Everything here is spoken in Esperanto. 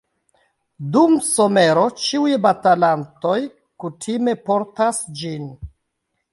Dum somero ĉiuj batalantoj kutime portas ĝin.